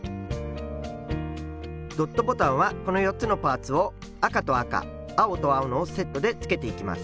ドットボタンはこの４つのパーツを赤と赤青と青のセットでつけていきます。